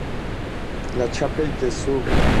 La Chapelle-de-Surieu